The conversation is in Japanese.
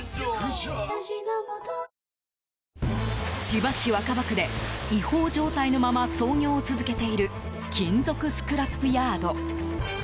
千葉市若葉区で違法状態のまま操業を続けている金属スクラップヤード。